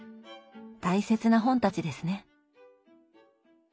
大切な本たちですね。